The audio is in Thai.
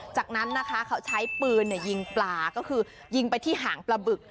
จากนั้นนะคะเขาใช้ปืนยิงปลาก็คือยิงไปที่หางปลาบึก